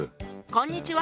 こんにちは。